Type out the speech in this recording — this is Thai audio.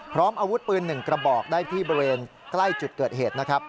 พร้อมอาวุธปืน๑กระบอกได้ที่บริเวณใกล้จุดเกิดเหตุนะครับ